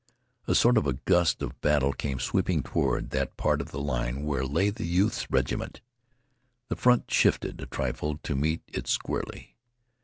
A sort of a gust of battle came sweeping toward that part of the line where lay the youth's regiment. The front shifted a trifle to meet it squarely.